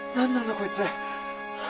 こいつ。